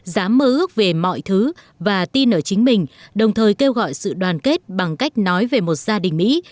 dám mơ ước về mọi thứ và tin ở chính mình đồng thời kêu gọi sự đoàn kết bằng cách nói về một gia đình mỹ